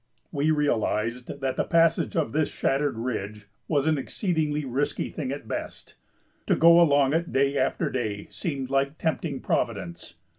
We realized that the passage of this shattered ridge was an exceedingly risky thing at best. To go along it day after day seemed like tempting Providence.